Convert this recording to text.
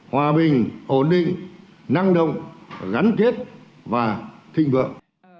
hòa bình ổn định năng động gắn kết và thịnh vượng